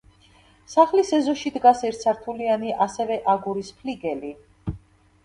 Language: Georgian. სახლის ეზოში დგას ერთსართულიანი ასევე აგურის ფლიგელი.